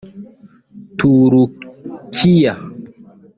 Turukiya